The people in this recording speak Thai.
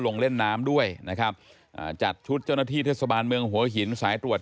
ลงเล่นน้ำด้วยนะครับอ่าจัดชุดเจ้าหน้าที่เทศบาลเมืองหัวหินสายตรวจ